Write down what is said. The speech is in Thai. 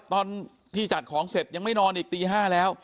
ตอนที่จัดของเสร็จยังไม่นอนอีกตี๕แล้ว